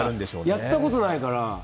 やったことないから。